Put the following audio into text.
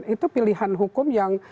itu pilihan hukum yang